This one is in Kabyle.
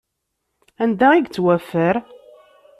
Anda i yettwaffer?